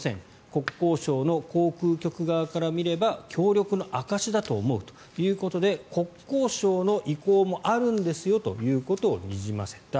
国交省の航空局側から見れば協力の証しだと思うということで国交省の意向もあるんですよということをにじませた。